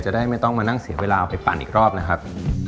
จะได้ไม่ต้องมานั่งเสียเวลาเอาไปปั่นอีกรอบนะครับ